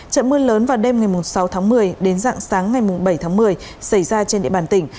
trận mưa lớn vào đêm sáu một mươi đến rạng sáng bảy một mươi xảy ra trên địa bàn tỉnh